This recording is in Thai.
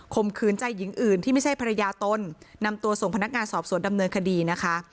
มขืนใจหญิงอื่นที่ไม่ใช่ภรรยาตนนำตัวส่งพนักงานสอบสวนดำเนินคดีนะคะ